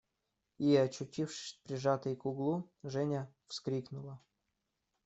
И, очутившись прижатой к углу, Женя вскрикнула.